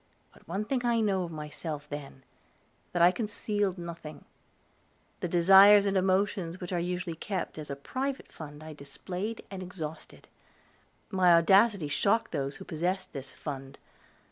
But one thing I know of myself then that I concealed nothing; the desires and emotions which are usually kept as a private fund I displayed and exhausted. My audacity shocked those who possessed this fund.